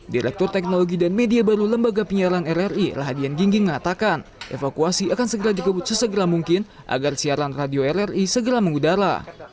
direktur teknologi dan media baru lembaga penyiaran rri rahadian gingging mengatakan evakuasi akan segera dikebut sesegera mungkin agar siaran radio rri segera mengudara